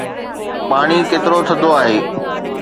پاڻي ڪيترو ٿڌو آهي؟